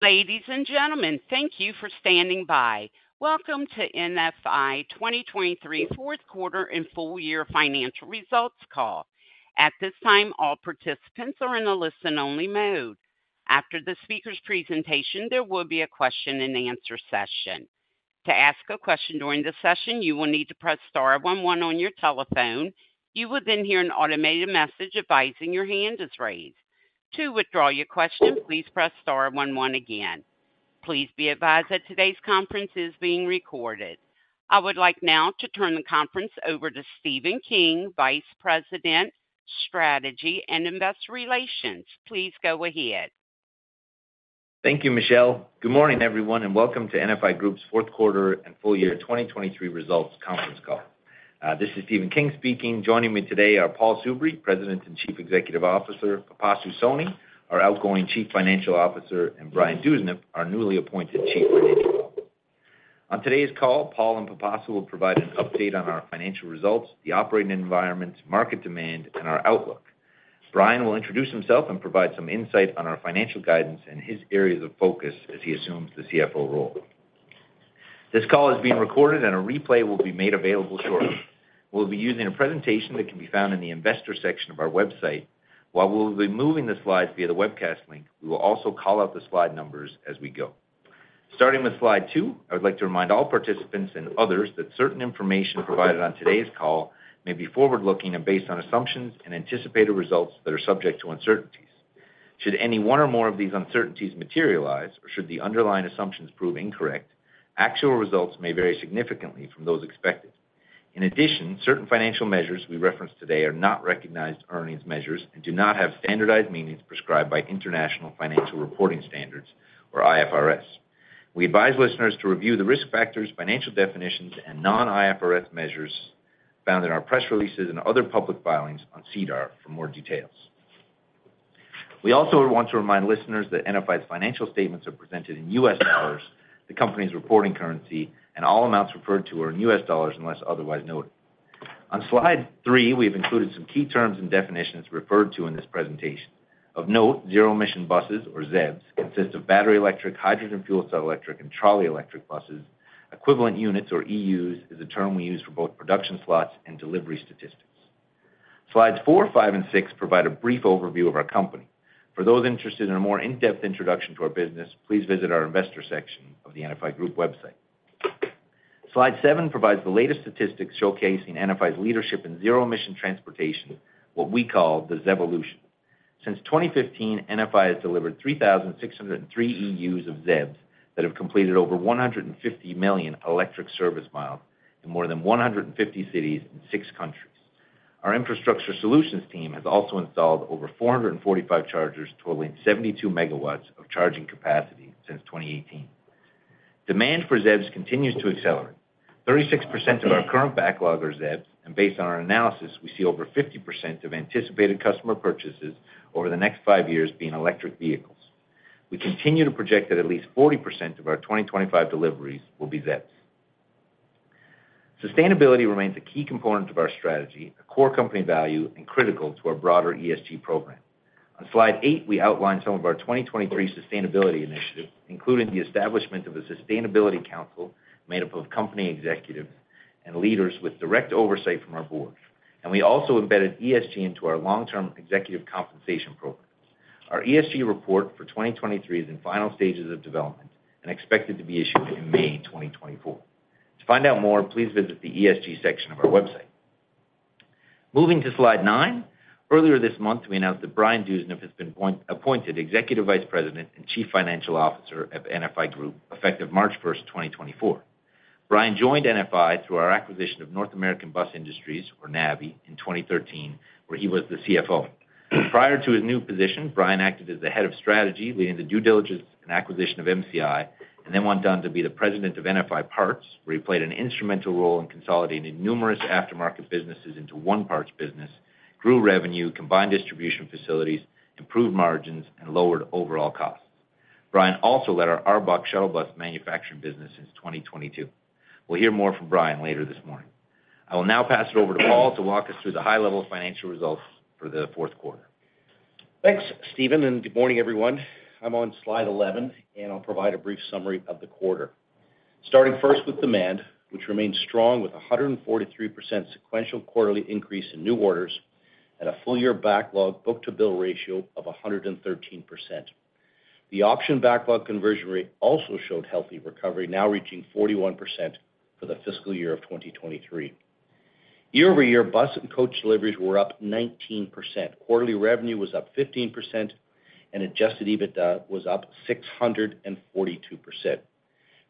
Ladies and gentlemen, thank you for standing by. Welcome to NFI 2023 fourth quarter and full year financial results call. At this time, all participants are in a listen-only mode. After the speaker's presentation, there will be a question-and-answer session. To ask a question during the session, you will need to press star 11 on your telephone. You will then hear an automated message advising your hand is raised. To withdraw your question, please press star 11 again. Please be advised that today's conference is being recorded. I would like now to turn the conference over to Stephen King, Vice President, Strategy and Investor Relations. Please go ahead. Thank you, Michelle. Good morning, everyone, and welcome to NFI Group's fourth quarter and full year 2023 results conference call. This is Stephen King speaking. Joining me today are Paul Soubry, President and Chief Executive Officer, Pipasu Soni, our outgoing Chief Financial Officer, and Brian Dewsnup, our newly appointed Chief Financial Officer. On today's call, Paul and Pipasu will provide an update on our financial results, the operating environment, market demand, and our outlook. Brian will introduce himself and provide some insight on our financial guidance and his areas of focus as he assumes the CFO role. This call is being recorded, and a replay will be made available shortly. We'll be using a presentation that can be found in the Investor section of our website. While we'll be moving the slides via the webcast link, we will also call out the slide numbers as we go. Starting with slide 2, I would like to remind all participants and others that certain information provided on today's call may be forward-looking and based on assumptions and anticipated results that are subject to uncertainties. Should any one or more of these uncertainties materialize, or should the underlying assumptions prove incorrect, actual results may vary significantly from those expected. In addition, certain financial measures we referenced today are not recognized earnings measures and do not have standardized meanings prescribed by International Financial Reporting Standards, or IFRS. We advise listeners to review the risk factors, financial definitions, and non-IFRS measures found in our press releases and other public filings on SEDAR for more details. We also want to remind listeners that NFI's financial statements are presented in U.S. dollars, the company's reporting currency, and all amounts referred to are in U.S. dollars unless otherwise noted. On slide 3, we have included some key terms and definitions referred to in this presentation. Of note, zero-emission buses, or ZEBs, consist of battery electric, hydrogen fuel cell electric, and trolley electric buses. Equivalent units, or EUs, is a term we use for both production slots and delivery statistics. Slides 4, 5, and 6 provide a brief overview of our company. For those interested in a more in-depth introduction to our business, please visit our Investor section of the NFI Group website. Slide 7 provides the latest statistics showcasing NFI's leadership in zero-emission transportation, what we call the ZEB evolution. Since 2015, NFI has delivered 3,603 EUs of ZEBs that have completed over 150 million electric service miles in more than 150 cities in six countries. Our infrastructure solutions team has also installed over 445 chargers, totaling 72 megawatts of charging capacity since 2018. Demand for ZEBs continues to accelerate. 36% of our current backlog are ZEBs, and based on our analysis, we see over 50% of anticipated customer purchases over the next five years being electric vehicles. We continue to project that at least 40% of our 2025 deliveries will be ZEBs. Sustainability remains a key component of our strategy, a core company value, and critical to our broader ESG program. On slide 8, we outline some of our 2023 sustainability initiatives, including the establishment of a sustainability council made up of company executives and leaders with direct oversight from our board. We also embedded ESG into our long-term executive compensation program. Our ESG report for 2023 is in final stages of development and expected to be issued in May 2024. To find out more, please visit the ESG section of our website. Moving to slide 9, earlier this month we announced that Brian Dewsnup has been appointed Executive Vice President and Chief Financial Officer of NFI Group effective March 1, 2024. Brian joined NFI through our acquisition of North American Bus Industries, or NABI, in 2013, where he was the CFO. Prior to his new position, Brian acted as the Head of Strategy, leading the due diligence and acquisition of MCI, and then went on to be the President of NFI Parts, where he played an instrumental role in consolidating numerous aftermarket businesses into one parts business, grew revenue, combined distribution facilities, improved margins, and lowered overall costs. Brian also led our ARBOC shuttle bus manufacturing business since 2022. We'll hear more from Brian later this morning. I will now pass it over to Paul to walk us through the high-level financial results for the fourth quarter. Thanks, Stephen, and good morning, everyone. I'm on slide 11, and I'll provide a brief summary of the quarter. Starting first with demand, which remained strong with a 143% sequential quarterly increase in new orders and a full-year backlog book-to-bill ratio of 113%. The option backlog conversion rate also showed healthy recovery, now reaching 41% for the fiscal year of 2023. Year-over-year, bus and coach deliveries were up 19%, quarterly revenue was up 15%, and Adjusted EBITDA was up 642%.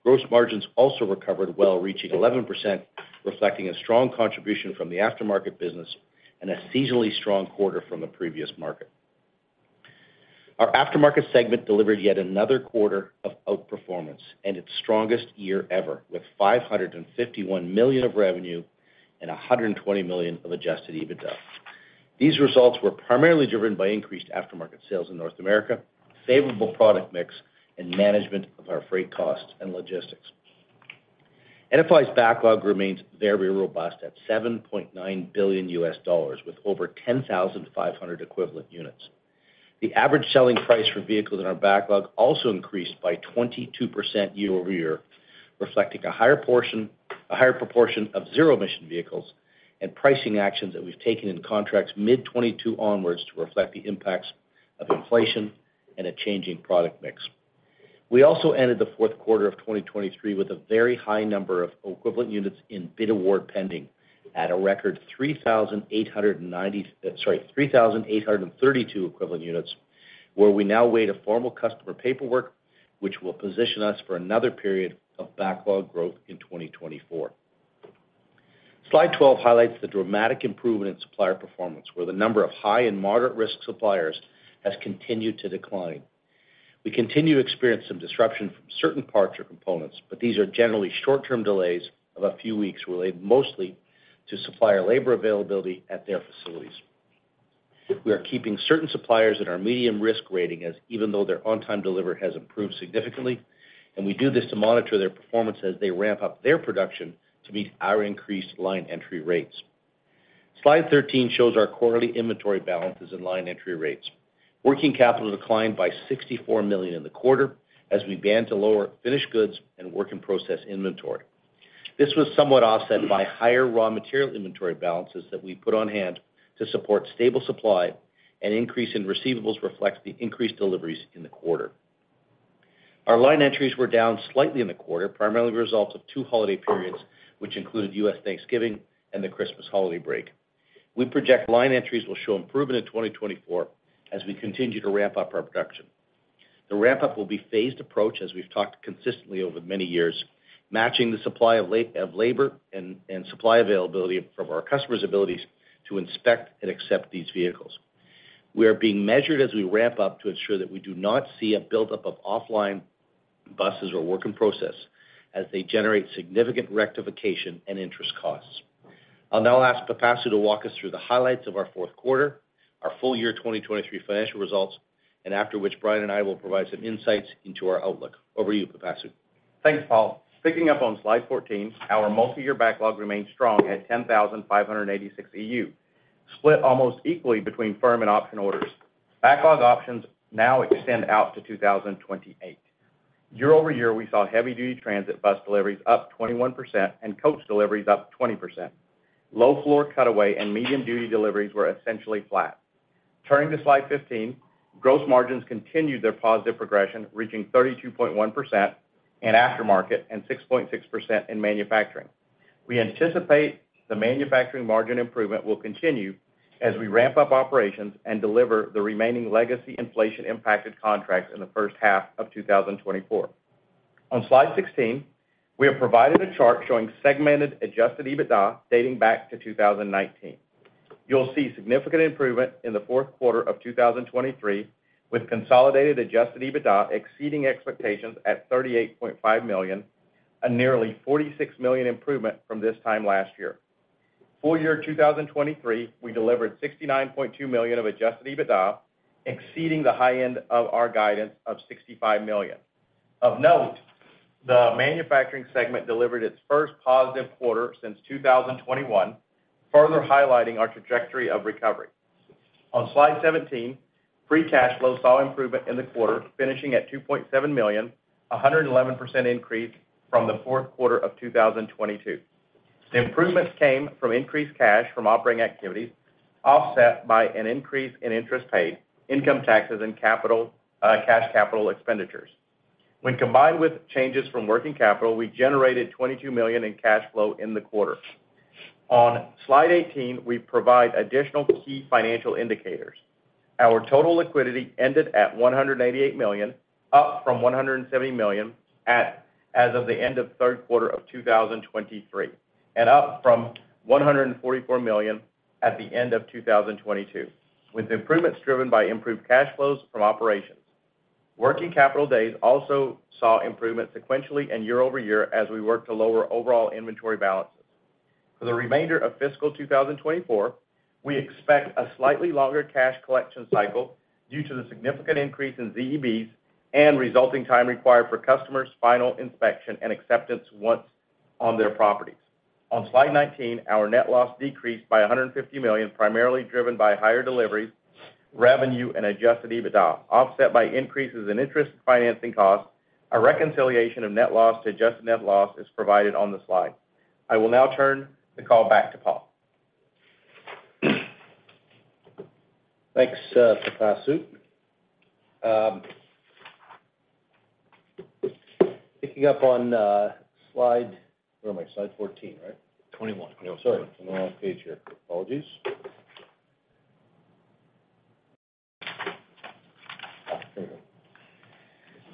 Gross margins also recovered well, reaching 11%, reflecting a strong contribution from the aftermarket business and a seasonally strong quarter from the previous market. Our aftermarket segment delivered yet another quarter of outperformance and its strongest year ever, with $551 million of revenue and $120 million of Adjusted EBITDA. These results were primarily driven by increased aftermarket sales in North America, favorable product mix, and management of our freight costs and logistics. NFI's backlog remains very robust at $7.9 billion, with over 10,500 Equivalent Units. The average selling price for vehicles in our backlog also increased by 22% year-over-year, reflecting a higher proportion of zero-emission vehicles and pricing actions that we've taken in contracts mid-2022 onwards to reflect the impacts of inflation and a changing product mix. We also ended the fourth quarter of 2023 with a very high number of Equivalent Units in Bid Award Pending, at a record 3,832 Equivalent Units, where we now wait a formal customer paperwork, which will position us for another period of backlog growth in 2024. Slide 12 highlights the dramatic improvement in supplier performance, where the number of high and moderate-risk suppliers has continued to decline. We continue to experience some disruption from certain parts or components, but these are generally short-term delays of a few weeks related mostly to supplier labor availability at their facilities. We are keeping certain suppliers at our medium-risk rating even though their on-time delivery has improved significantly, and we do this to monitor their performance as they ramp up their production to meet our increased line entry rates. Slide 13 shows our quarterly inventory balances and line entry rates. Working capital declined by $64 million in the quarter as we planned to lower finished goods and work-in-process inventory. This was somewhat offset by higher raw material inventory balances that we put on hand to support stable supply, and an increase in receivables reflects the increased deliveries in the quarter. Our line entries were down slightly in the quarter, primarily a result of two holiday periods, which included U.S. Thanksgiving and the Christmas holiday break. We project line entries will show improvement in 2024 as we continue to ramp up our production. The ramp-up will be a phased approach, as we've talked consistently over many years, matching the supply of labor and supply availability from our customers' abilities to inspect and accept these vehicles. We are being measured as we ramp up to ensure that we do not see a buildup of offline buses or Work-in-Process as they generate significant rectification and interest costs. I'll now ask Pipasu to walk us through the highlights of our fourth quarter, our full year 2023 financial results, and after which Brian and I will provide some insights into our outlook. Over to you, Pipasu. Thanks, Paul. Picking up on slide 14, our multi-year backlog remained strong at 10,586 EU, split almost equally between firm and option orders. Backlog options now extend out to 2028. Year-over-year, we saw heavy-duty transit bus deliveries up 21% and coach deliveries up 20%. Low-floor cutaway and medium-duty deliveries were essentially flat. Turning to slide 15, gross margins continued their positive progression, reaching 32.1% in aftermarket and 6.6% in manufacturing. We anticipate the manufacturing margin improvement will continue as we ramp up operations and deliver the remaining legacy inflation-impacted contracts in the first half of 2024. On slide 16, we have provided a chart showing segmented adjusted EBITDA dating back to 2019. You'll see significant improvement in the fourth quarter of 2023, with consolidated adjusted EBITDA exceeding expectations at $38.5 million, a nearly $46 million improvement from this time last year. Full year 2023, we delivered $69.2 million of Adjusted EBITDA, exceeding the high end of our guidance of $65 million. Of note, the manufacturing segment delivered its first positive quarter since 2021, further highlighting our trajectory of recovery. On slide 17, free cash flow saw improvement in the quarter, finishing at $2.7 million, a 111% increase from the fourth quarter of 2022. The improvements came from increased cash from operating activities, offset by an increase in interest paid, income taxes, and cash capital expenditures. When combined with changes from working capital, we generated $22 million in cash flow in the quarter. On slide 18, we provide additional key financial indicators. Our total liquidity ended at $188 million, up from $170 million as of the end of third quarter of 2023, and up from $144 million at the end of 2022, with improvements driven by improved cash flows from operations. Working capital days also saw improvements sequentially and year-over-year as we worked to lower overall inventory balances. For the remainder of fiscal 2024, we expect a slightly longer cash collection cycle due to the significant increase in ZEBs and resulting time required for customers' final inspection and acceptance once on their properties. On slide 19, our net loss decreased by $150 million, primarily driven by higher deliveries, revenue, and Adjusted EBITDA, offset by increases in interest financing costs. A reconciliation of net loss to adjusted net loss is provided on the slide. I will now turn the call back to Paul. Thanks, Pipasu. Picking up on slide, where am I? Slide 14, right? 21. Sorry. I'm on the wrong page here. Apologies.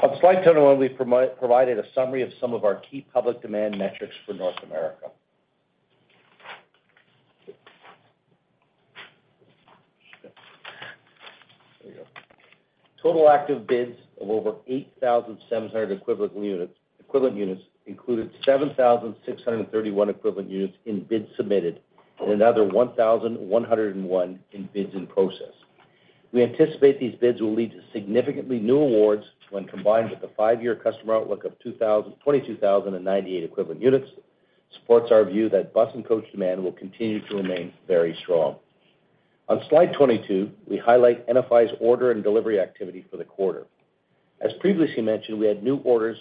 On slide 21, we provided a summary of some of our key public demand metrics for North America. There we go. Total active bids of over 8,700 equivalent units included 7,631 equivalent units in bids submitted and another 1,101 in bids in process. We anticipate these bids will lead to significantly new awards when combined with the five-year customer outlook of 22,098 equivalent units, supports our view that bus and coach demand will continue to remain very strong. On slide 22, we highlight NFI's order and delivery activity for the quarter. As previously mentioned, we had new orders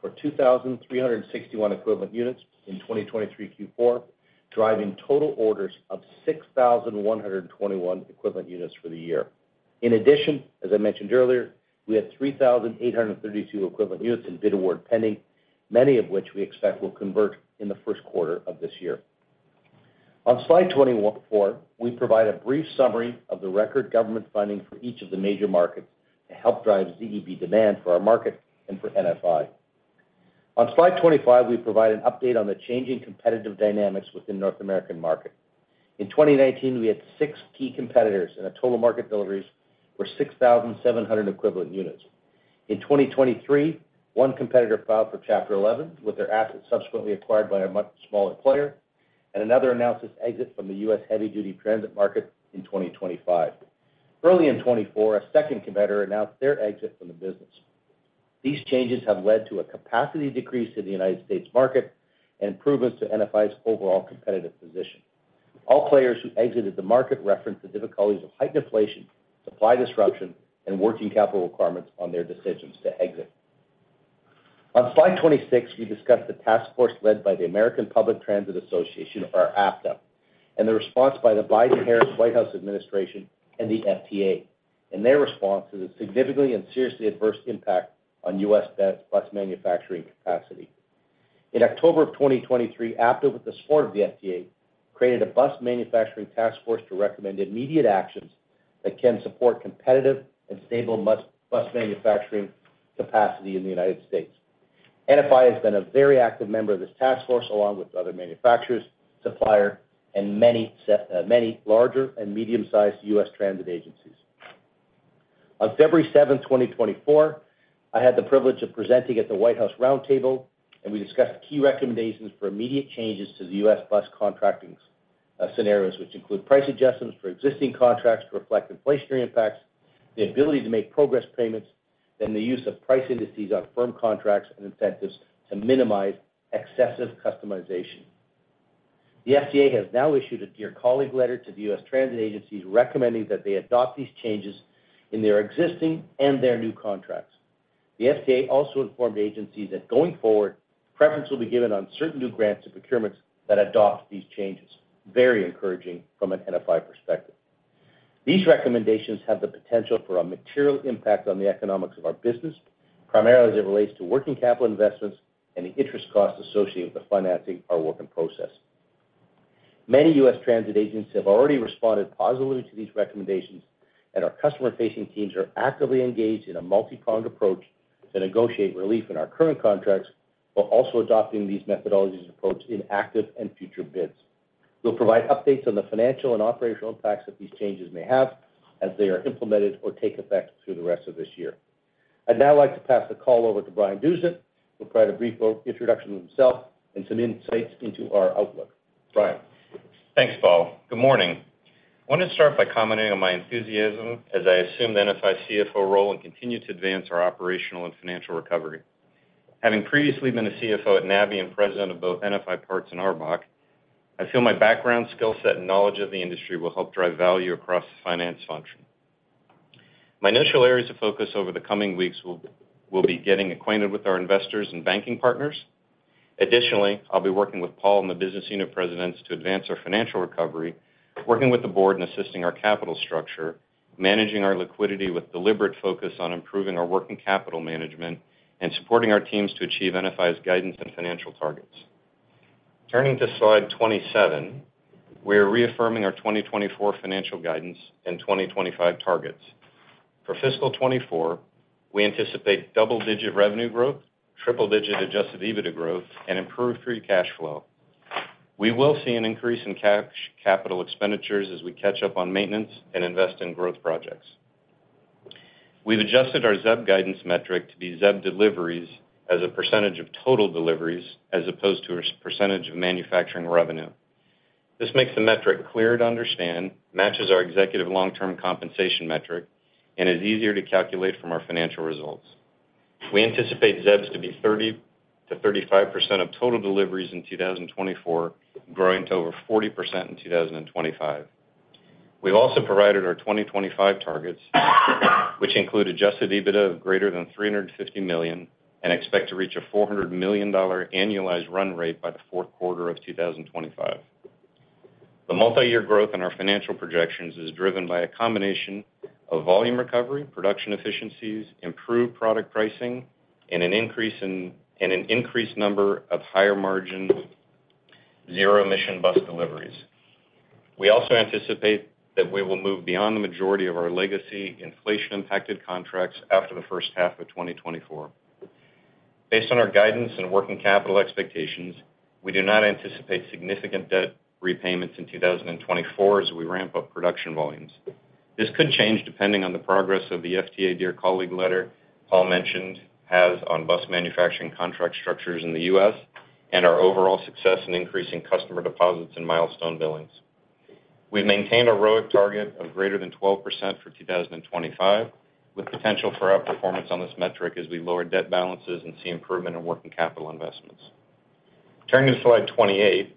for 2,361 equivalent units in 2023 Q4, driving total orders of 6,121 equivalent units for the year. In addition, as I mentioned earlier, we had 3,832 equivalent units in Bid Award Pending, many of which we expect will convert in the first quarter of this year. On slide 24, we provide a brief summary of the record government funding for each of the major markets to help drive ZEB demand for our market and for NFI. On slide 25, we provide an update on the changing competitive dynamics within the North American market. In 2019, we had six key competitors, and a total market deliveries were 6,700 equivalent units. In 2023, one competitor filed for Chapter 11 with their assets subsequently acquired by a much smaller player, and another announced its exit from the U.S. heavy-duty transit market in 2025. Early in 2024, a second competitor announced their exit from the business. These changes have led to a capacity decrease in the United States market and improvements to NFI's overall competitive position. All players who exited the market reference the difficulties of heightened inflation, supply disruption, and working capital requirements on their decisions to exit. On slide 26, we discuss the task force led by the American Public Transportation Association, or APTA, and the response by the Biden-Harris White House administration and the FTA and their response to the significantly and seriously adverse impact on U.S. bus manufacturing capacity. In October of 2023, APTA, with the support of the FTA, created a bus manufacturing task force to recommend immediate actions that can support competitive and stable bus manufacturing capacity in the United States. NFI has been a very active member of this task force, along with other manufacturers, suppliers, and many larger and medium-sized U.S. transit agencies. On February 7, 2024, I had the privilege of presenting at the White House Roundtable, and we discussed key recommendations for immediate changes to the U.S. bus contracting scenarios, which include price adjustments for existing contracts to reflect inflationary impacts, the ability to make progress payments, and the use of price indices on firm contracts and incentives to minimize excessive customization. The FTA has now issued a Dear Colleague Letter to the U.S. transit agencies recommending that they adopt these changes in their existing and their new contracts. The FTA also informed agencies that going forward, preference will be given on certain new grants and procurements that adopt these changes, very encouraging from an NFI perspective. These recommendations have the potential for a material impact on the economics of our business, primarily as it relates to working capital investments and the interest costs associated with the financing of our work-in-process. Many U.S. transit agencies have already responded positively to these recommendations, and our customer-facing teams are actively engaged in a multipronged approach to negotiate relief in our current contracts while also adopting these methodologies and approaches in active and future bids. We'll provide updates on the financial and operational impacts that these changes may have as they are implemented or take effect through the rest of this year. I'd now like to pass the call over to Brian Dewsnup, who'll provide a brief introduction of himself and some insights into our outlook. Brian. Thanks, Paul. Good morning. I wanted to start by commenting on my enthusiasm as I assume the NFI CFO role and continue to advance our operational and financial recovery. Having previously been a CFO at NABI and president of both NFI Parts and ARBOC, I feel my background, skill set, and knowledge of the industry will help drive value across the finance function. My initial areas of focus over the coming weeks will be getting acquainted with our investors and banking partners. Additionally, I'll be working with Paul and the business unit presidents to advance our financial recovery, working with the board and assisting our capital structure, managing our liquidity with deliberate focus on improving our working capital management and supporting our teams to achieve NFI's guidance and financial targets. Turning to slide 27, we are reaffirming our 2024 financial guidance and 2025 targets. For fiscal 2024, we anticipate double-digit revenue growth, triple-digit adjusted EBITDA growth, and improved free cash flow. We will see an increase in cash capital expenditures as we catch up on maintenance and invest in growth projects. We've adjusted our ZEB guidance metric to be ZEB deliveries as a percentage of total deliveries as opposed to a percentage of manufacturing revenue. This makes the metric clear to understand, matches our executive long-term compensation metric, and is easier to calculate from our financial results. We anticipate ZEBs to be 30%-35% of total deliveries in 2024, growing to over 40% in 2025. We've also provided our 2025 targets, which include adjusted EBITDA of greater than $350 million and expect to reach a $400 million annualized run rate by the fourth quarter of 2025. The multi-year growth in our financial projections is driven by a combination of volume recovery, production efficiencies, improved product pricing, and an increase number of higher-margin, zero-emission bus deliveries. We also anticipate that we will move beyond the majority of our legacy inflation-impacted contracts after the first half of 2024. Based on our guidance and working capital expectations, we do not anticipate significant debt repayments in 2024 as we ramp up production volumes. This could change depending on the progress of the FTA Dear Colleague Letter Paul mentioned has on bus manufacturing contract structures in the U.S. and our overall success in increasing customer deposits and milestone billings. We've maintained a ROIC target of greater than 12% for 2025, with potential for outperformance on this metric as we lower debt balances and see improvement in working capital investments. Turning to slide 28,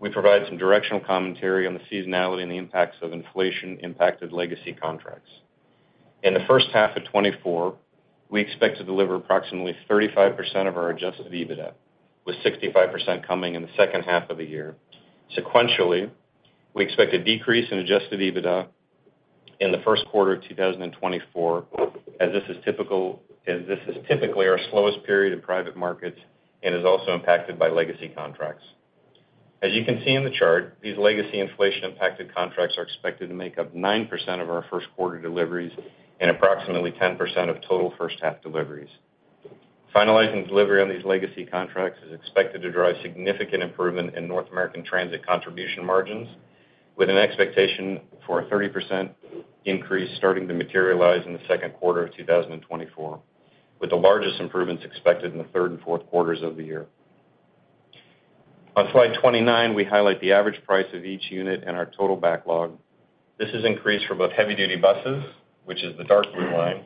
we provide some directional commentary on the seasonality and the impacts of inflation-impacted legacy contracts. In the first half of 2024, we expect to deliver approximately 35% of our Adjusted EBITDA, with 65% coming in the second half of the year. Sequentially, we expect a decrease in Adjusted EBITDA in the first quarter of 2024, as this is typically our slowest period in private markets and is also impacted by legacy contracts. As you can see in the chart, these legacy inflation-impacted contracts are expected to make up 9% of our first quarter deliveries and approximately 10% of total first-half deliveries. Finalizing delivery on these legacy contracts is expected to drive significant improvement in North American transit contribution margins, with an expectation for a 30% increase starting to materialize in the second quarter of 2024, with the largest improvements expected in the third and fourth quarters of the year. On slide 29, we highlight the average price of each unit in our total backlog. This is increased for both heavy-duty buses, which is the dark blue line,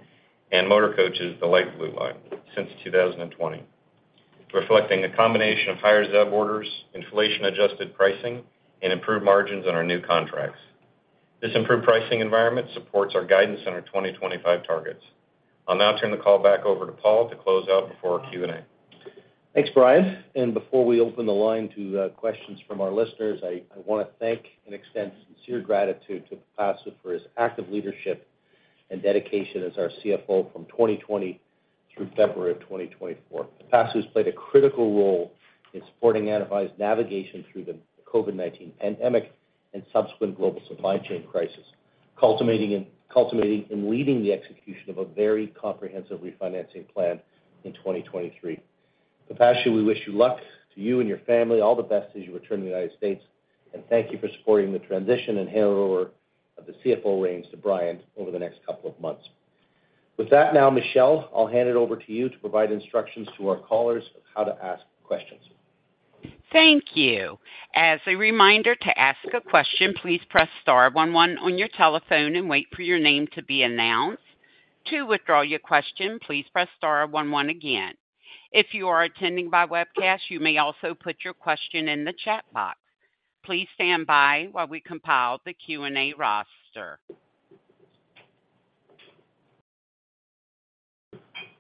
and motor coaches, the light blue line, since 2020, reflecting a combination of higher ZEB orders, inflation-adjusted pricing, and improved margins on our new contracts. This improved pricing environment supports our guidance and our 2025 targets. I'll now turn the call back over to Paul to close out before our Q&A. Thanks, Brian. Before we open the line to questions from our listeners, I want to thank and extend sincere gratitude to Pipasu for his active leadership and dedication as our CFO from 2020 through February of 2024. Pipasu has played a critical role in supporting NFI's navigation through the COVID-19 pandemic and subsequent global supply chain crisis, culminating and leading the execution of a very comprehensive refinancing plan in 2023. Pipasu, we wish you luck, to you and your family, all the best as you return to the United States, and thank you for supporting the transition and handover of the CFO reins to Brian over the next couple of months. With that now, Michelle, I'll hand it over to you to provide instructions to our callers of how to ask questions. Thank you. As a reminder, to ask a question, please press star 11 on your telephone and wait for your name to be announced. To withdraw your question, please press star 11 again. If you are attending by webcast, you may also put your question in the chat box. Please stand by while we compile the Q&A roster.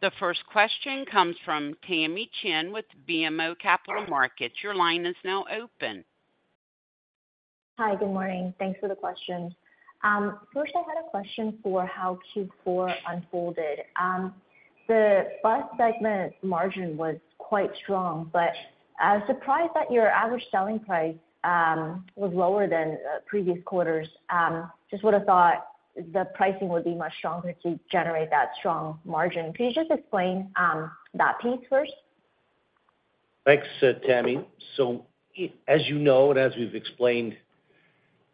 The first question comes from Tamy Chen with BMO Capital Markets. Your line is now open. Hi. Good morning. Thanks for the question. First, I had a question for how Q4 unfolded. The bus segment margin was quite strong, but I was surprised that your average selling price was lower than previous quarters. Just would have thought the pricing would be much stronger to generate that strong margin. Could you just explain that piece first? Thanks, Tamy. So as you know and as we've explained,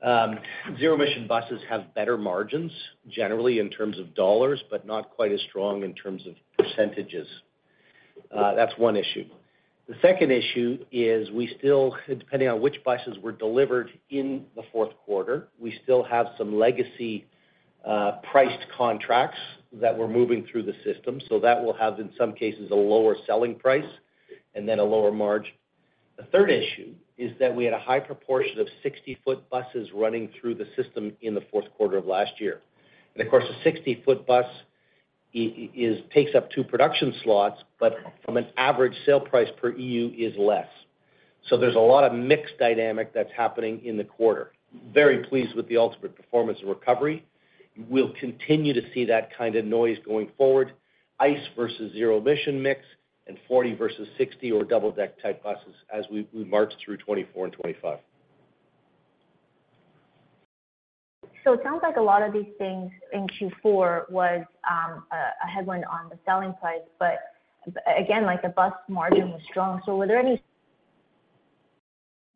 zero-emission buses have better margins generally in terms of dollars, but not quite as strong in terms of percentages. That's one issue. The second issue is, depending on which buses were delivered in the fourth quarter, we still have some legacy priced contracts that we're moving through the system. So that will have, in some cases, a lower selling price and then a lower margin. The third issue is that we had a high proportion of 60-foot buses running through the system in the fourth quarter of last year. And of course, a 60-foot bus takes up two production slots, but from an average sale price per EU is less. So there's a lot of mixed dynamic that's happening in the quarter. Very pleased with the ultimate performance and recovery. We'll continue to see that kind of noise going forward: ICE versus zero-emission mix and 40 versus 60 or double-deck type buses as we march through 2024 and 2025. It sounds like a lot of these things in Q4 was a headwind on the selling price. Again, the bus margin was strong. Were there any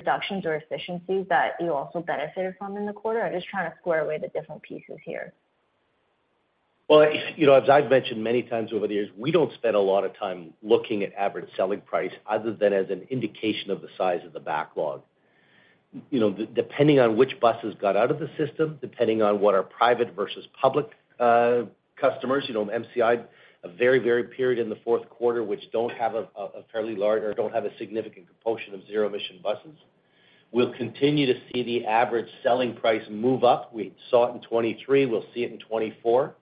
reductions or efficiencies that you also benefited from in the quarter? I'm just trying to square away the different pieces here. Well, as I've mentioned many times over the years, we don't spend a lot of time looking at average selling price other than as an indication of the size of the backlog. Depending on which buses got out of the system, depending on what our private versus public customers, MCI, a very heavy period in the fourth quarter which don't have a fairly large or don't have a significant composition of zero-emission buses, we'll continue to see the average selling price move up. We saw it in 2023. We'll see it in 2024.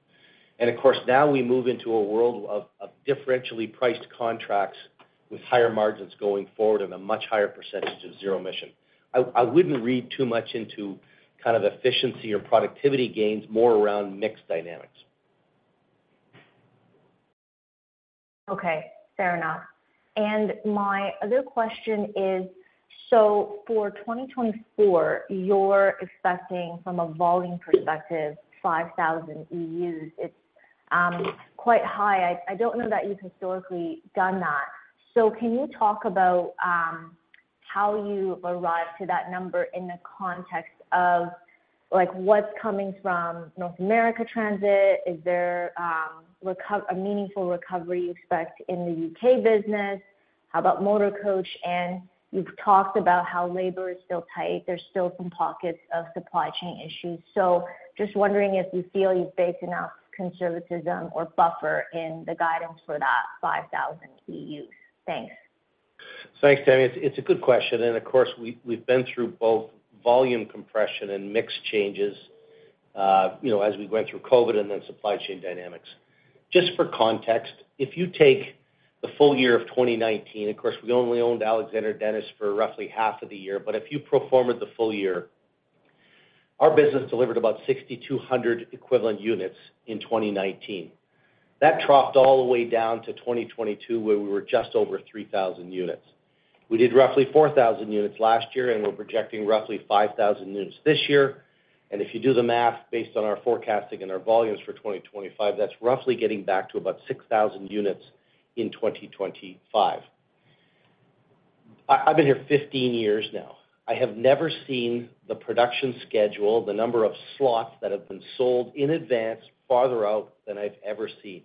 And of course, now we move into a world of differentially priced contracts with higher margins going forward and a much higher percentage of zero-emission. I wouldn't read too much into kind of efficiency or productivity gains, more around mix dynamics. Okay. Fair enough. And my other question is, so for 2024, you're expecting, from a volume perspective, 5,000 EUs. It's quite high. I don't know that you've historically done that. So can you talk about how you've arrived to that number in the context of what's coming from North America transit? Is there a meaningful recovery you expect in the UK business? How about motor coach? And you've talked about how labor is still tight. There's still some pockets of supply chain issues. So just wondering if you feel you've baked enough conservatism or buffer in the guidance for that 5,000 EUs. Thanks. Thanks, Tammy. It's a good question. And of course, we've been through both volume compression and mixed changes as we went through COVID and then supply chain dynamics. Just for context, if you take the full year of 2019 of course, we only owned Alexander Dennis for roughly half of the year. But if you pro forma the full year, our business delivered about 6,200 equivalent units in 2019. That troughed all the way down to 2022, where we were just over 3,000 units. We did roughly 4,000 units last year, and we're projecting roughly 5,000 units this year. And if you do the math based on our forecasting and our volumes for 2025, that's roughly getting back to about 6,000 units in 2025. I've been here 15 years now. I have never seen the production schedule, the number of slots that have been sold in advance farther out than I've ever seen.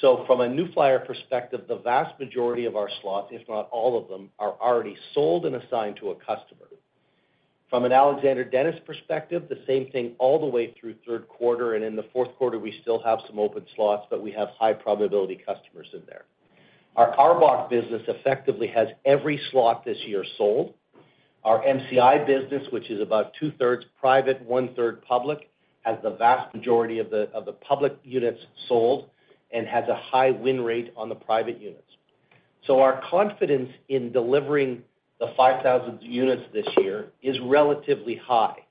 So from a New Flyer perspective, the vast majority of our slots, if not all of them, are already sold and assigned to a customer. From an Alexander Dennis perspective, the same thing all the way through third quarter. And in the fourth quarter, we still have some open slots, but we have high probability customers in there. Our ARBOC business effectively has every slot this year sold. Our MCI business, which is about two-thirds private, one-third public, has the vast majority of the public units sold and has a high win rate on the private units. So our confidence in delivering the 5,000 units this year is relatively high.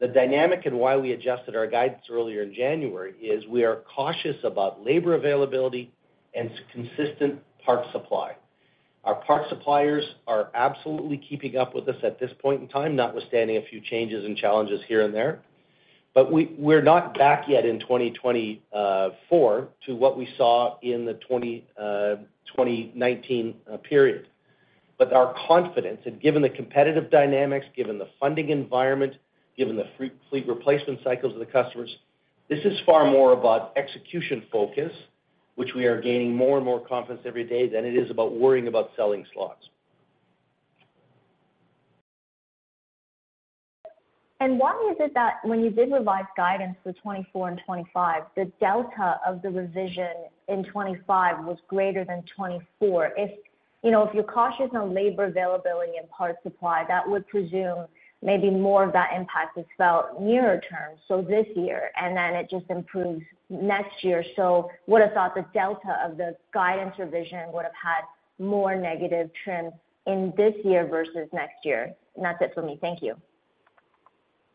The dynamic and why we adjusted our guidance earlier in January is we are cautious about labor availability and consistent part supply. Our part suppliers are absolutely keeping up with us at this point in time, notwithstanding a few changes and challenges here and there. But we're not back yet in 2024 to what we saw in the 2019 period. But our confidence, and given the competitive dynamics, given the funding environment, given the fleet replacement cycles of the customers, this is far more about execution focus, which we are gaining more and more confidence every day than it is about worrying about selling slots. Why is it that when you did revise guidance for 2024 and 2025, the delta of the revision in 2025 was greater than 2024? If you're cautious on labor availability and part supply, that would presume maybe more of that impact is felt nearer terms, so this year, and then it just improves next year. Would have thought the delta of the guidance revision would have had more negative trim in this year versus next year. And that's it from me. Thank you.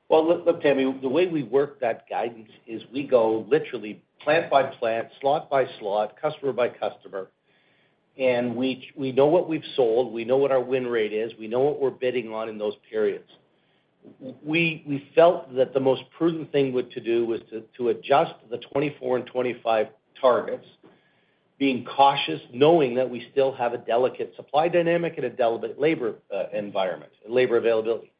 Well, look, Tammy, the way we work that guidance is we go literally plant by plant, slot by slot, customer by customer. We know what we've sold. We know what our win rate is. We know what we're bidding on in those periods. We felt that the most prudent thing to do was to adjust the 2024 and 2025 targets, being cautious, knowing that we still have a delicate supply dynamic and a delicate labor environment, labor availability.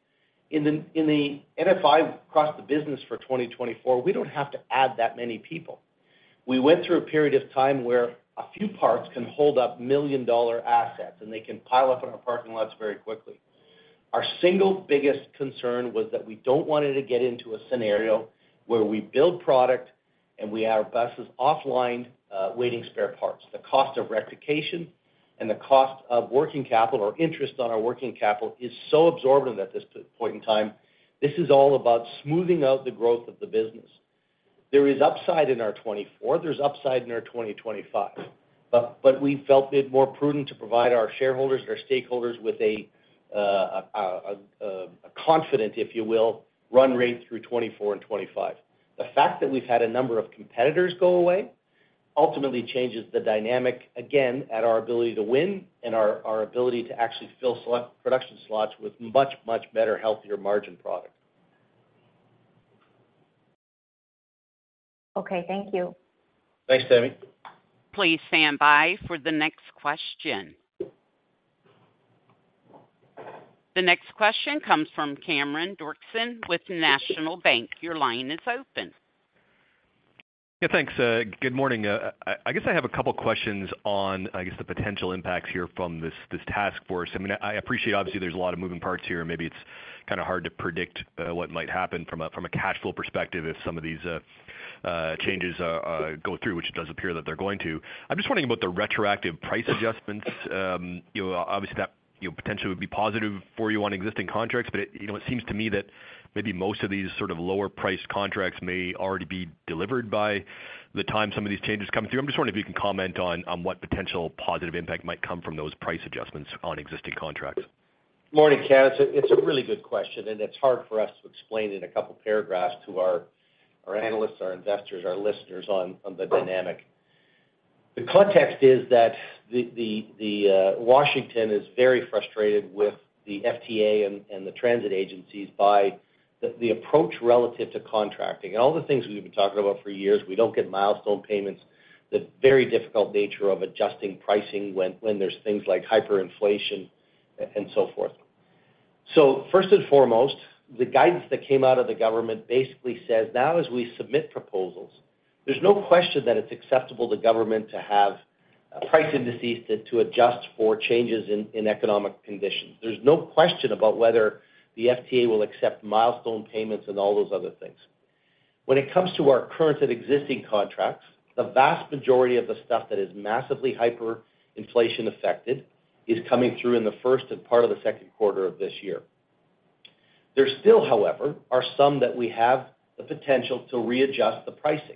In the NFI across the business for 2024, we don't have to add that many people. We went through a period of time where a few parts can hold up million-dollar assets, and they can pile up in our parking lots very quickly. Our single biggest concern was that we don't want it to get into a scenario where we build product and we have our buses offline, waiting spare parts. The cost of replication and the cost of working capital or interest on our working capital is so absorbent at this point in time, this is all about smoothing out the growth of the business. There is upside in our 2024. There's upside in our 2025. But we felt it more prudent to provide our shareholders and our stakeholders with a confident, if you will, run rate through 2024 and 2025. The fact that we've had a number of competitors go away ultimately changes the dynamic, again, at our ability to win and our ability to actually fill production slots with much, much better, healthier margin product. Okay. Thank you. Thanks, Tamy. Please stand by for the next question. The next question comes from Cameron Doerksen with National Bank. Your line is open. Yeah. Thanks. Good morning. I guess I have a couple of questions on, I guess, the potential impacts here from this task force. I mean, I appreciate, obviously, there's a lot of moving parts here, and maybe it's kind of hard to predict what might happen from a cash flow perspective if some of these changes go through, which it does appear that they're going to. I'm just wondering about the retroactive price adjustments. Obviously, that potentially would be positive for you on existing contracts. But it seems to me that maybe most of these sort of lower-priced contracts may already be delivered by the time some of these changes come through. I'm just wondering if you can comment on what potential positive impact might come from those price adjustments on existing contracts? Morning, Cam. It's a really good question, and it's hard for us to explain in a couple of paragraphs to our analysts, our investors, our listeners on the dynamic. The context is that Washington is very frustrated with the FTA and the transit agencies by the approach relative to contracting. All the things we've been talking about for years, we don't get milestone payments, the very difficult nature of adjusting pricing when there's things like hyperinflation and so forth. So first and foremost, the guidance that came out of the government basically says, now as we submit proposals, there's no question that it's acceptable to government to have price indices to adjust for changes in economic conditions. There's no question about whether the FTA will accept milestone payments and all those other things. When it comes to our current and existing contracts, the vast majority of the stuff that is massively hyperinflation-affected is coming through in the first and part of the second quarter of this year. There still, however, are some that we have the potential to readjust the pricing.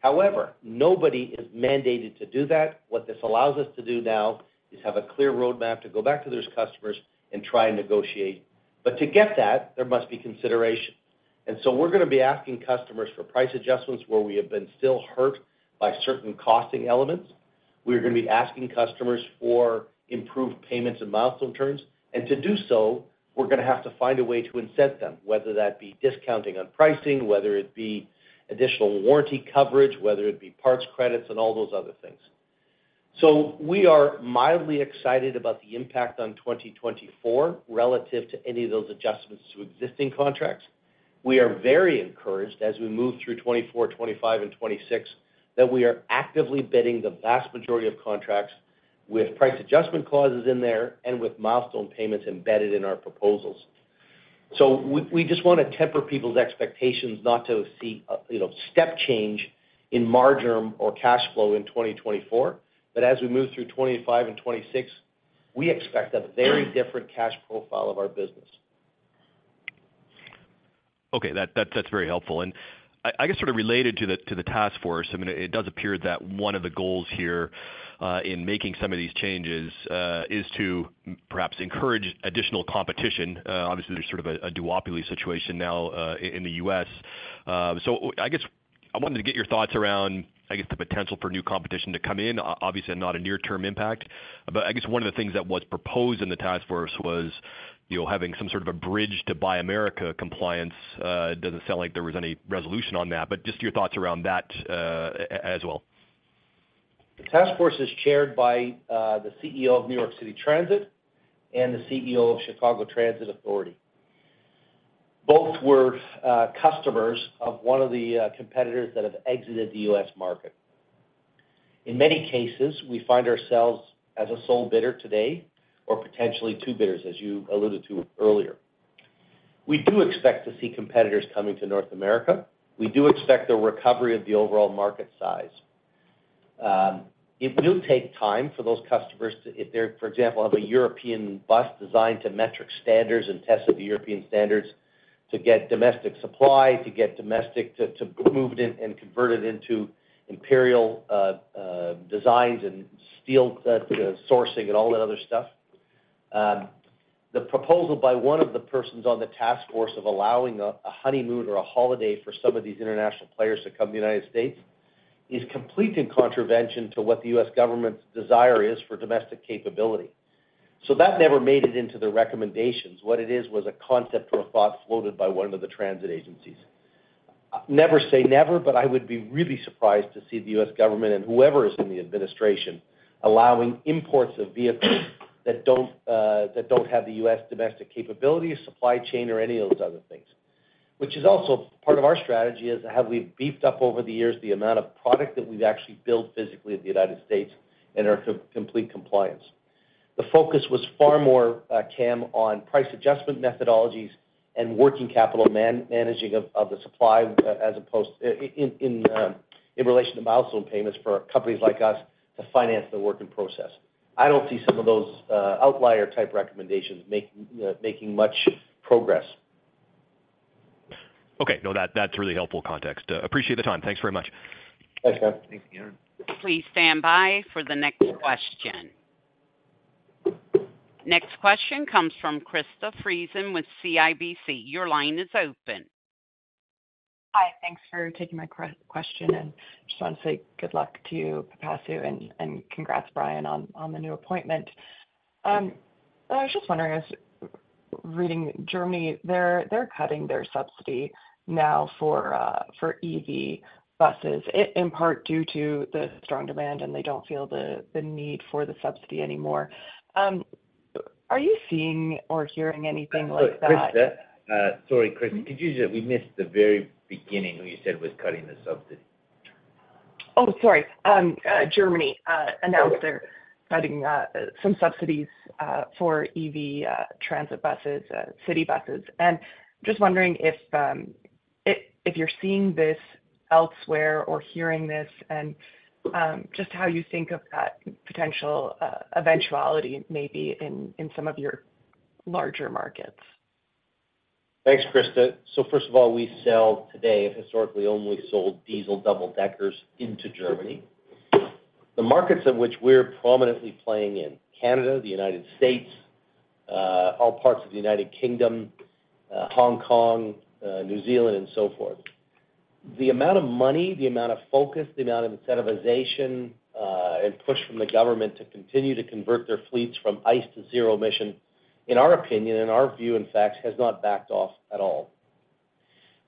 However, nobody is mandated to do that. What this allows us to do now is have a clear roadmap to go back to those customers and try and negotiate. To get that, there must be consideration. So we're going to be asking customers for price adjustments where we have been still hurt by certain costing elements. We are going to be asking customers for improved payments and milestone terms. To do so, we're going to have to find a way to incent them, whether that be discounting on pricing, whether it be additional warranty coverage, whether it be parts credits, and all those other things. We are mildly excited about the impact on 2024 relative to any of those adjustments to existing contracts. We are very encouraged, as we move through 2024, 2025, and 2026, that we are actively bidding the vast majority of contracts with price adjustment clauses in there and with milestone payments embedded in our proposals. We just want to temper people's expectations not to see step change in margin or cash flow in 2024. But as we move through 2025 and 2026, we expect a very different cash profile of our business. Okay. That's very helpful. And I guess sort of related to the task force, I mean, it does appear that one of the goals here in making some of these changes is to perhaps encourage additional competition. Obviously, there's sort of a duopoly situation now in the U.S. So I guess I wanted to get your thoughts around, I guess, the potential for new competition to come in, obviously, and not a near-term impact. But I guess one of the things that was proposed in the task force was having some sort of a bridge to Buy America compliance. It doesn't sound like there was any resolution on that. But just your thoughts around that as well. The task force is chaired by the CEO of New York City Transit and the CEO of Chicago Transit Authority. Both were customers of one of the competitors that have exited the U.S. market. In many cases, we find ourselves as a sole bidder today or potentially two bidders, as you alluded to earlier. We do expect to see competitors coming to North America. We do expect a recovery of the overall market size. It will take time for those customers to if they, for example, have a European bus designed to metric standards and tests of the European standards to get domestic supply, to get domestic to move it in and convert it into imperial designs and steel sourcing and all that other stuff. The proposal by one of the persons on the task force of allowing a honeymoon or a holiday for some of these international players to come to the United States is complete in contravention to what the U.S. government's desire is for domestic capability. So that never made it into the recommendations. What it is was a concept or a thought floated by one of the transit agencies. Never say never, but I would be really surprised to see the U.S. government and whoever is in the administration allowing imports of vehicles that don't have the U.S. domestic capability, supply chain, or any of those other things, which is also part of our strategy is how we've beefed up over the years the amount of product that we've actually built physically in the United States and are to complete compliance. The focus was far more, Cam, on price adjustment methodologies and working capital managing of the supply as opposed in relation to milestone payments for companies like us to finance the work in process. I don't see some of those outlier-type recommendations making much progress. Okay. No, that's really helpful context. Appreciate the time. Thanks very much. Thanks, Cam. Thanks, Cameron. Please stand by for the next question. Next question comes from Krista Friesen with CIBC. Your line is open. Hi. Thanks for taking my question. I just want to say good luck to you, Pipasu, and congrats, Brian, on the new appointment. I was just wondering, regarding Germany, they're cutting their subsidy now for EV buses, in part due to the strong demand, and they don't feel the need for the subsidy anymore. Are you seeing or hearing anything like that? Sorry, Krista. We missed the very beginning when you said it was cutting the subsidy. Oh, sorry. Germany announced they're cutting some subsidies for EV transit buses, city buses. Just wondering if you're seeing this elsewhere or hearing this and just how you think of that potential eventuality maybe in some of your larger markets. Thanks, Krista. So first of all, we still today have historically only sold diesel double-deckers into Germany. The markets in which we're prominently playing in: Canada, the United States, all parts of the United Kingdom, Hong Kong, New Zealand, and so forth. The amount of money, the amount of focus, the amount of incentivization, and push from the government to continue to convert their fleets from ICE to zero-emission, in our opinion, in our view, in fact, has not backed off at all.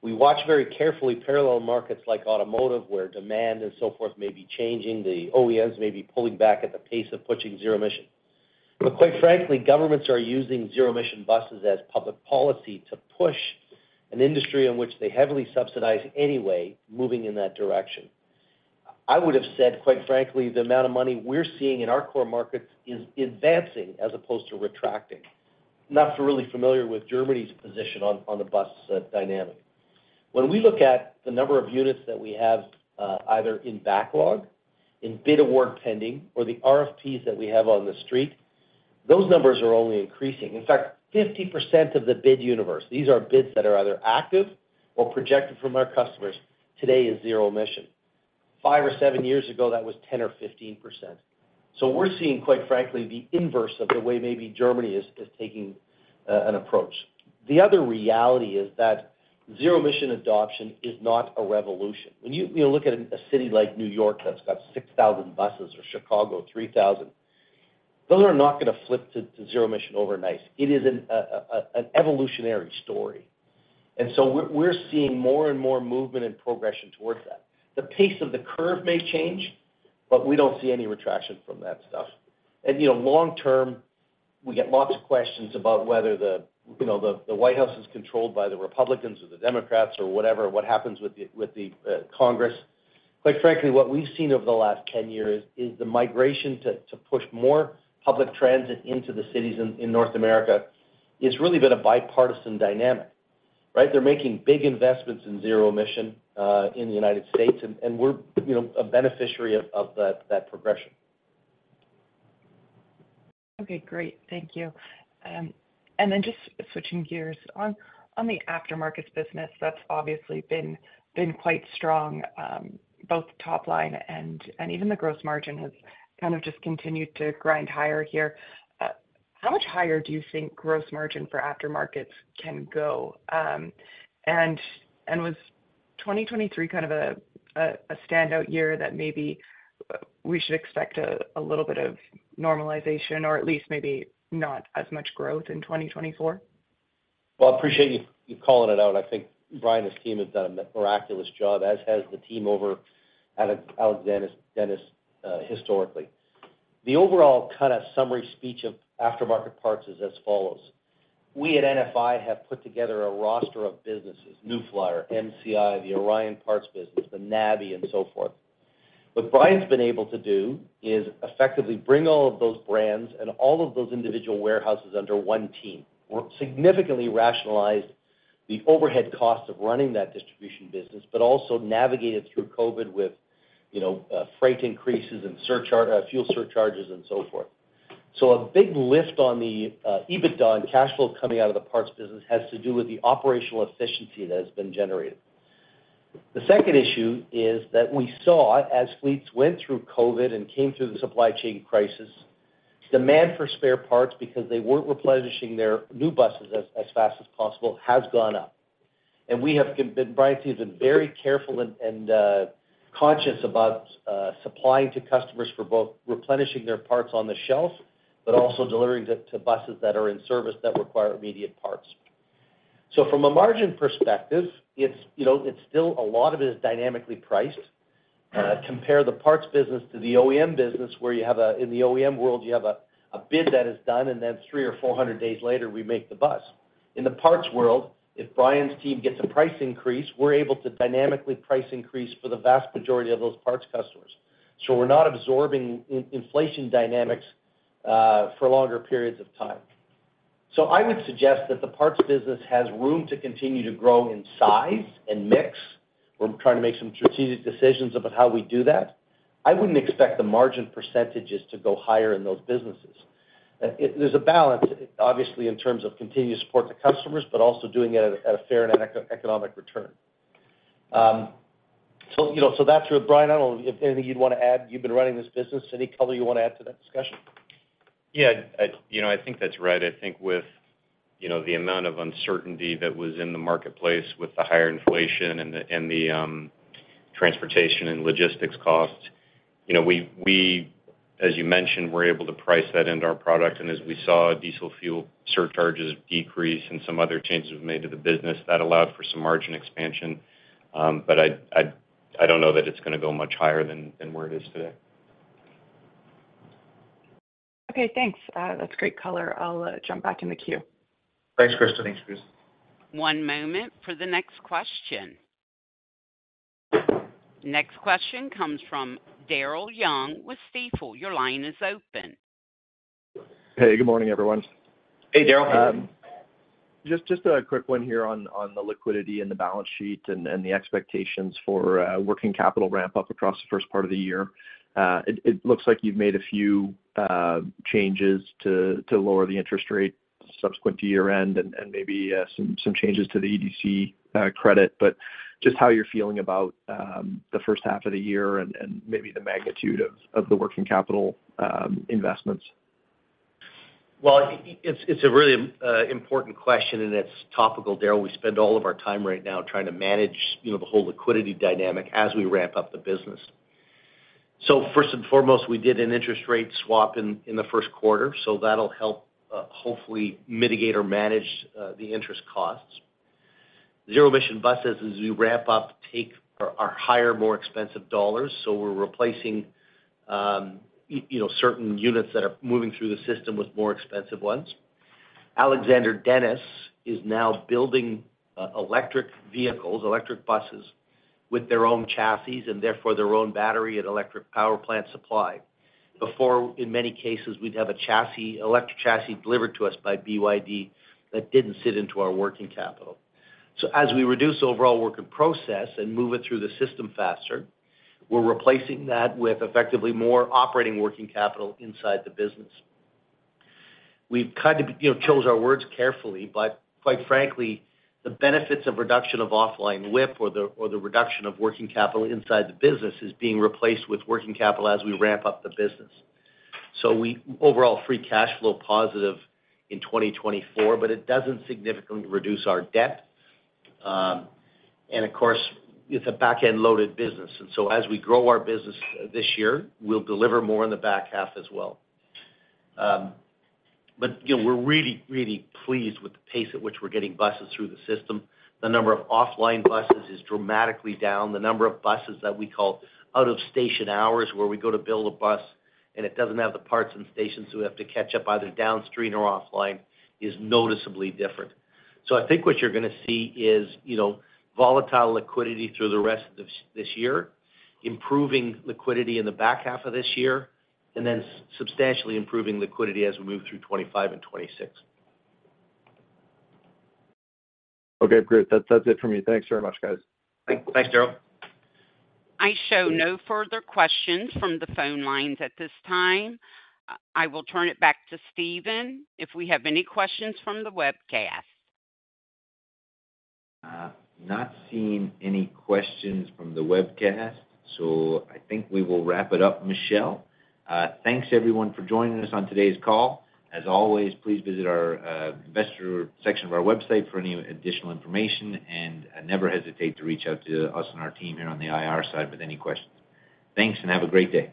We watch very carefully parallel markets like automotive where demand and so forth may be changing. The OEMs may be pulling back at the pace of pushing zero-emission. But quite frankly, governments are using zero-emission buses as public policy to push an industry in which they heavily subsidize anyway moving in that direction. I would have said, quite frankly, the amount of money we're seeing in our core markets is advancing as opposed to retracting. Not if you're really familiar with Germany's position on the bus dynamic. When we look at the number of units that we have either in backlog, in Bid Award Pending, or the RFPs that we have on the street, those numbers are only increasing. In fact, 50% of the bid universe - these are bids that are either active or projected from our customers - today is zero-emission. Five or seven years ago, that was 10% or 15%. So we're seeing, quite frankly, the inverse of the way maybe Germany is taking an approach. The other reality is that zero-emission adoption is not a revolution. When you look at a city like New York that's got 6,000 buses or Chicago 3,000, those are not going to flip to zero-emission overnight. It is an evolutionary story. And so we're seeing more and more movement and progression towards that. The pace of the curve may change, but we don't see any retraction from that stuff. And long term, we get lots of questions about whether the White House is controlled by the Republicans or the Democrats or whatever, what happens with the Congress. Quite frankly, what we've seen over the last 10 years is the migration to push more public transit into the cities in North America has really been a bipartisan dynamic, right? They're making big investments in zero-emission in the United States, and we're a beneficiary of that progression. Okay. Great. Thank you. And then just switching gears. On the aftermarkets business, that's obviously been quite strong. Both top line and even the gross margin has kind of just continued to grind higher here. How much higher do you think gross margin for aftermarkets can go? And was 2023 kind of a standout year that maybe we should expect a little bit of normalization or at least maybe not as much growth in 2024? Well, I appreciate you calling it out. I think Brian and his team have done a miraculous job, as has the team over at Alexander Dennis historically. The overall kind of summary speech of aftermarket parts is as follows. We at NFI have put together a roster of businesses: New Flyer, MCI, the Orion Parts business, the NABI, and so forth. What Brian's been able to do is effectively bring all of those brands and all of those individual warehouses under one team. We've significantly rationalized the overhead costs of running that distribution business but also navigated through COVID with freight increases and fuel surcharges and so forth. So a big lift on the EBITDA on cash flow coming out of the parts business has to do with the operational efficiency that has been generated. The second issue is that we saw, as fleets went through COVID and came through the supply chain crisis, demand for spare parts because they weren't replenishing their new buses as fast as possible has gone up. Brian and Steve have been very careful and conscious about supplying to customers for both replenishing their parts on the shelf but also delivering to buses that are in service that require immediate parts. From a margin perspective, a lot of it is dynamically priced. Compare the parts business to the OEM business where you have a in the OEM world, you have a bid that is done, and then 300 or 400 days later, we make the bus. In the parts world, if Brian's team gets a price increase, we're able to dynamically price increase for the vast majority of those parts customers. So we're not absorbing inflation dynamics for longer periods of time. So I would suggest that the parts business has room to continue to grow in size and mix. We're trying to make some strategic decisions about how we do that. I wouldn't expect the margin percentages to go higher in those businesses. There's a balance, obviously, in terms of continuing to support the customers but also doing it at a fair and economic return. So that's it, Brian. I don't know if anything you'd want to add. You've been running this business. Any color you want to add to that discussion? Yeah. I think that's right. I think with the amount of uncertainty that was in the marketplace with the higher inflation and the transportation and logistics cost, as you mentioned, we're able to price that into our product. As we saw diesel fuel surcharges decrease and some other changes we've made to the business, that allowed for some margin expansion. I don't know that it's going to go much higher than where it is today. Okay. Thanks. That's great color. I'll jump back in the queue. Thanks, Krista. Thanks, Krista. One moment for the next question. Next question comes from Daryl Young with Stifel. Your line is open. Hey. Good morning, everyone. Hey, Daryl. Just a quick one here on the liquidity and the balance sheet and the expectations for working capital ramp-up across the first part of the year. It looks like you've made a few changes to lower the interest rate subsequent to year-end and maybe some changes to the EDC credit. But just how you're feeling about the first half of the year and maybe the magnitude of the working capital investments? Well, it's a really important question, and it's topical, Daryl. We spend all of our time right now trying to manage the whole liquidity dynamic as we ramp up the business. So first and foremost, we did an interest rate swap in the first quarter. So that'll help hopefully mitigate or manage the interest costs. Zero-emission buses as we ramp up take our higher, more expensive dollars. So we're replacing certain units that are moving through the system with more expensive ones. Alexander Dennis is now building electric vehicles, electric buses, with their own chassis and therefore their own battery and electric power plant supply. Before, in many cases, we'd have a chassis, electric chassis delivered to us by BYD that didn't sit into our working capital. So as we reduce overall work-in-process and move it through the system faster, we're replacing that with effectively more operating working capital inside the business. We've chosen our words carefully. But quite frankly, the benefits of reduction of offline WIP or the reduction of working capital inside the business is being replaced with working capital as we ramp up the business. So overall, free cash flow positive in 2024, but it doesn't significantly reduce our debt. And of course, it's a backend-loaded business. And so as we grow our business this year, we'll deliver more in the back half as well. But we're really, really pleased with the pace at which we're getting buses through the system. The number of offline buses is dramatically down. The number of buses that we call out-of-station hours where we go to build a bus and it doesn't have the parts and stations who have to catch up either downstream or offline is noticeably different. So I think what you're going to see is volatile liquidity through the rest of this year, improving liquidity in the back half of this year, and then substantially improving liquidity as we move through 2025 and 2026. Okay. Great. That's it from me. Thanks very much, guys. Thanks, Daryl. I show no further questions from the phone lines at this time. I will turn it back to Stephen if we have any questions from the webcast. Not seeing any questions from the webcast. I think we will wrap it up, Michelle. Thanks, everyone, for joining us on today's call. As always, please visit our investor section of our website for any additional information and never hesitate to reach out to us and our team here on the IR side with any questions. Thanks and have a great day.